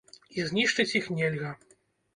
І знішчыць іх нельга.